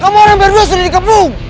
kamu orang yang berbiasa dikepung